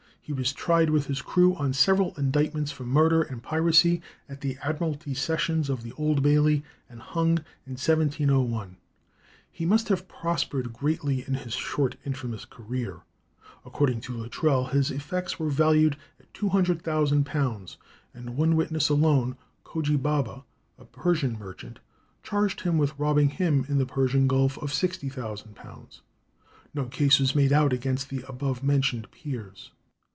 He was tried with his crew on several indictments for murder and piracy at the Admiralty Sessions of the Old Bailey, and hung in 1701. He must have prospered greatly in his short and infamous career. According to Luttrell, his effects were valued at £200,000, and one witness alone, Cogi Baba, a Persian merchant, charged him with robbing him in the Persian Gulf of £60,000. No case was made out against the above mentioned peers.